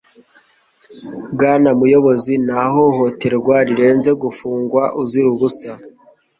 Bwana muyobozi nta hohoterwa rirenze gufungwa uzira ubusa